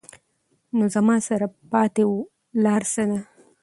نو زما سره پاتې لار څۀ ده ؟